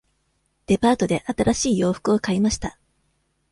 デパートで新しい洋服を買いました。